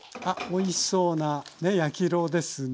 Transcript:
おいしそうなね焼き色ですね。